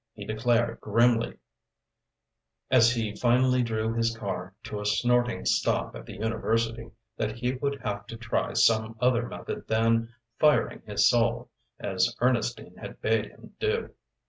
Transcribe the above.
He declared, grimly, as he finally drew his car to a snorting stop at the university that he would have to try some other method than "firing his soul," as Ernestine had bade him do.